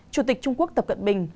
chủ tịch trung quốc tập cận bình